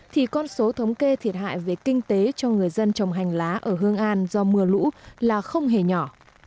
thì con số thống kê thiệt hại về kinh tế cho người dân trồng hành lá ở hương an do mưa lũ là không hề nhỏ